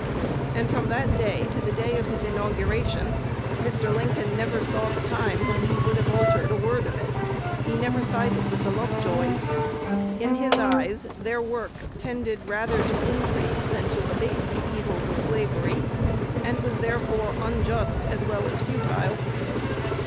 And from that day to the day of his inauguration, Mr. Lincoln never saw the time when he would have altered a word of it. He never sided with the Lovejoys. In his eyes their work tended "rather to increase than to abate" the evils of slavery, and was therefore unjust, as well as futile.